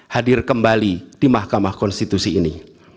hadir kembali di mahkamah konstitusi ini